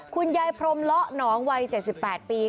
คุณยายพรมเลาะหนองวัย๗๘ปี